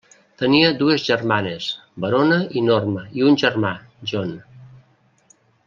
Tenia dues germanes, Verona i Norma, i un germà, John.